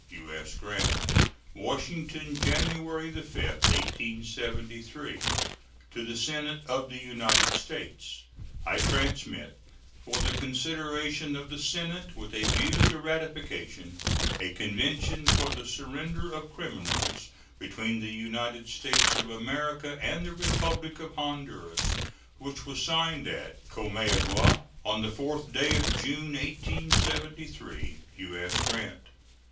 U.S. GRANT. WASHINGTON, January 5, 1873. To the Senate of the United States: I transmit, for the consideration of the Senate with a view to ratification, a convention for the surrender of criminals between the United States of America and the Republic of Honduras, which was signed at Comayagua on the 4th day of June, 1873. U.S. GRANT.